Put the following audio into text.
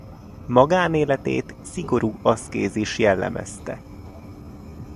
Magánéletét szigorú aszkézis jellemezte.